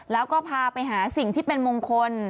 แล้วก็พาไปหาสิ่งที่เป็นมงคล